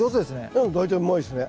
うん大体うまいですね。